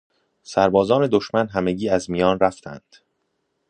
سربازان دشمن همگی از میان رفتند.